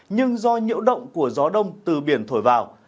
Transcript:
nhưng do nhiễu động của gió đông từ biển thổi vào